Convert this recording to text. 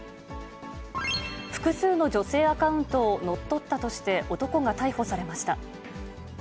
複数の女性アカウントを乗っ取ったとして、男が逮捕されました。